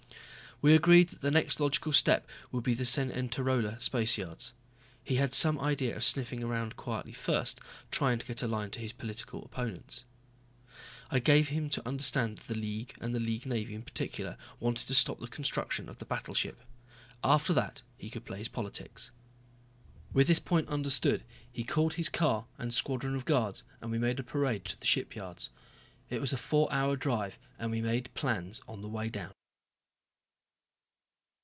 We agreed that the next logical step would be the Cenerentola Spaceyards. He had some idea of sniffing around quietly first, trying to get a line to his political opponents. I gave him to understand that the League, and the League Navy in particular, wanted to stop the construction of the battleship. After that he could play his politics. With this point understood he called his car and squadron of guards and we made a parade to the shipyards. It was a four hour drive and we made plans on the way down.